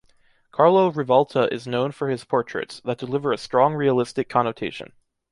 Carlo Rivalta is known for his portraits, that deliver a strong realistic connotation.